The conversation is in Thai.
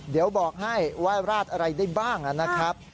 เดี๋ยวบอกให้ว่าราดอะไรได้บ้างนะครับ